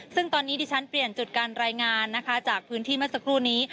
ซึ่งตอนนี้ดิฉันเปลี่ยนจุดการรายงานนะคะจากพื้นที่เมื่อสักครู่นี้